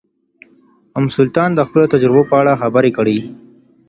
ام سلطان د خپلو تجربو په اړه خبرې کړې.